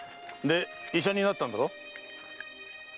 で医者になったんだろ？